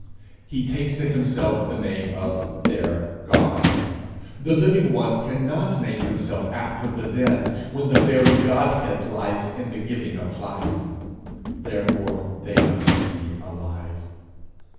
He takes to himself the name of Their God. The Living One cannot name himself after the dead; when the very Godhead lies in the giving of life. Therefore they must be alive.